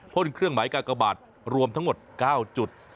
เครื่องหมายกากบาทรวมทั้งหมด๙จุด